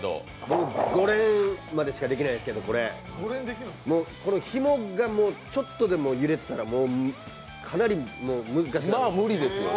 僕、５連までしかできないですけど、ひもがちょっとでも揺れてたらかなり難しくなります。